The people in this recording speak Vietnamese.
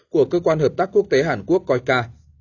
của cơ quan hợp tác quốc tế hàn quốc coica